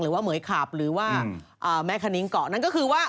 เหมือยขาบหรือว่าแม่คณิ้งเกาะนั่นก็คือว่า